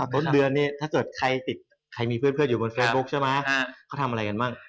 ต้นเดือนเนี่ยถ้าสดใครมีเพื่อนอยู่บนเฟซบุ๊คใช่มะเขาทำอะไรกันบ้าง